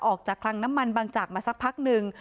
คลังน้ำมันบางจากมาสักพักหนึ่ง